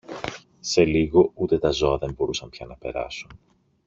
Σε λίγο ούτε τα ζώα δεν μπορούσαν πια να περάσουν.